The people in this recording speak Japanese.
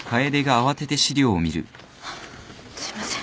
あっすいません